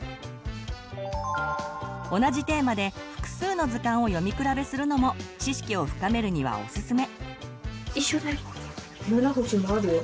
同じテーマで複数の図鑑を読み比べするのも知識を深めるにはおすすめ。